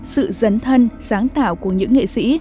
sự dấn thân sáng tạo của những nghệ sĩ